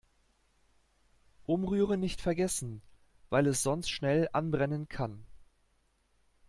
Umrühren nicht vergessen, weil es sonst schnell anbrennen kann.